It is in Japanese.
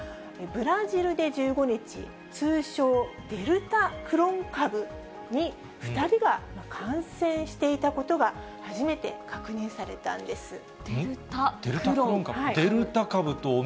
ブラジルで１５日、通称、デルタクロン株に２人が感染していたことが初めて確認されたんです。